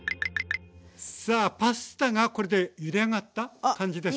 さあパスタがこれでゆで上がった感じですかね？